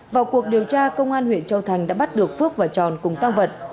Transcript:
vào cuộc điều tra công an huyện châu thành đã bắt được phước và tròn cùng tăng vật